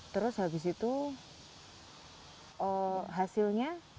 terus habis itu hasilnya